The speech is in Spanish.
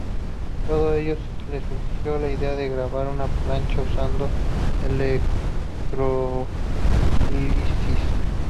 Todo ello le sugirió la idea de grabar una plancha usando la electrólisis.